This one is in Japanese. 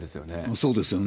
そうですよね。